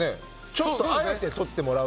ちょっとあえて撮ってもらう。